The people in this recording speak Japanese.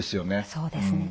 そうですね。